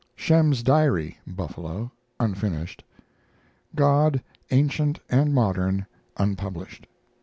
SHEM'S DIARY (Buffalo) (unfinished). GOD, ANCIENT AND MODERN (unpublished).